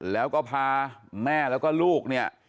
แล้วก็พาแม่แล้วก็ลูกเนี่ย